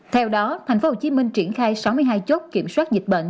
theo đó tp hcm triển khai sáu mươi hai chốt kiểm soát dịch bệnh